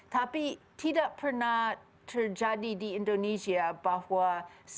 tapi tidak pernah terjadi di indonesia bahwa skenario yang paling jelas